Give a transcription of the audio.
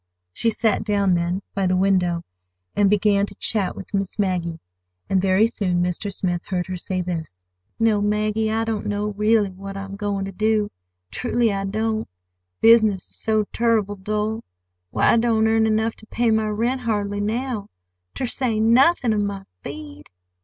She sat down then, by the window, and began to chat with Miss Maggie; and very soon Mr. Smith heard her say this:— "No, Maggie, I don't know, really, what I am going to do—truly I don't. Business is so turrible dull! Why, I don't earn enough to pay my rent, hardly, now, ter say nothin' of my feed."